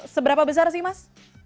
seberapa besar sih mas